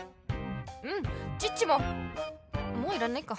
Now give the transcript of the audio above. うんチッチももういらないか。